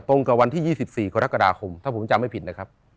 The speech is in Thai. กับวันที่๒๔กรกฎาคมถ้าผมจำไม่ผิดนะครับ